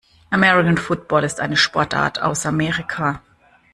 American Football ist eine Sportart aus Amerika.